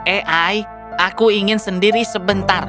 ai aku ingin sendiri sebentar